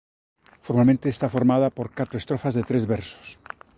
Formalmente está formada por catro estrofas de tres versos.